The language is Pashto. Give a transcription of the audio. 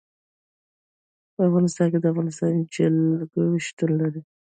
په افغانستان کې د افغانستان جلکو شتون لري.